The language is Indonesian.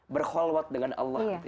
berkhulwat dengan allah gitu ya